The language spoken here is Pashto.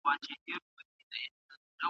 د عضلاتو پیاوړتیا د ناروغۍ مدیریت کې مرسته کوي.